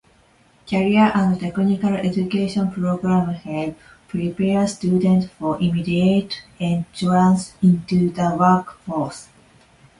Career and technical education programs help prepare students for immediate entrance into the workforce.